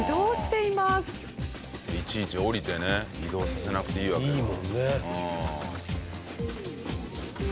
いちいち降りてね移動させなくていいわけか。